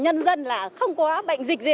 nhân dân là không có bệnh dịch gì